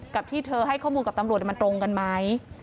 กับที่เธอให้ข้อมูลกับตำรวจมันตรงกันไหม